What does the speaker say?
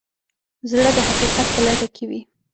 زړه د حقیقت په لټه کې وي.